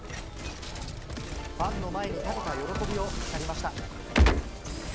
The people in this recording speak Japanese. ファンの前に立てた喜びを語りました。